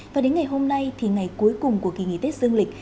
và đến ngày hôm nay thì ngày cuối cùng của kỳ nghỉ tết dương lịch